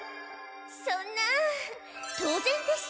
そんな当ぜんです！